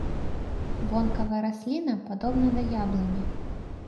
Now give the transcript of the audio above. Вонкава расліна падобна да яблыні.